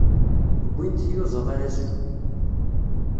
Wwin-d tiyuẓaḍ ara zlun.